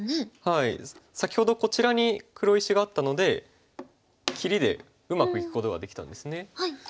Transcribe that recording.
先ほどこちらに黒石があったので切りでうまくいくことができたんですね。